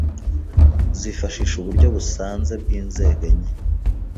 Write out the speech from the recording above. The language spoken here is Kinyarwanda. zifashisha uburyo busanze bw'inzego enye